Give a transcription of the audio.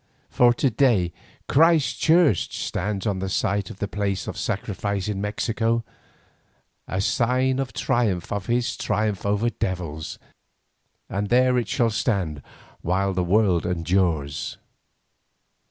For to day Christ's Church stands upon the site of the place of sacrifice in Mexico, a sign and a token of His triumph over devils, and there it shall stand while the world endures.